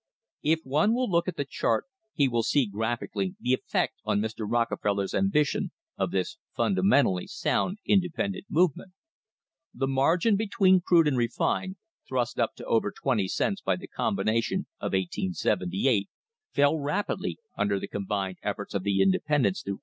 * If one will look at the chart he will see graphically the effect on Mr. Rockefeller's ambition of this fundamentally sound independent movement. The margin between crude and refined, thrust up to over twenty cents by the combina tion of 1878, fell rapidly under the combined efforts of the * See Chapter VII.